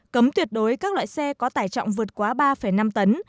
cấm tuyệt đối các loại xe có tải trọng vượt quá ba năm tấn